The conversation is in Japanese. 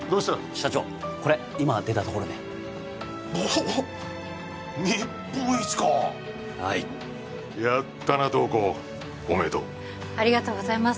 社長これ今出たところでおっおっ日本一かはいやったな瞳子おめでとうありがとうございます